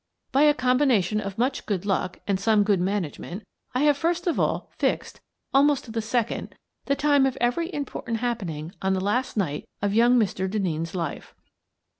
By a combination of much good luck and some good management, I have first of all fixed, almost to the second, the time of every important happening on the last night of young Mr. Denneen's life.